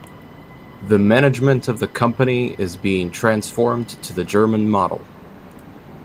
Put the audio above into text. The management of the Company is being transformed to the German model.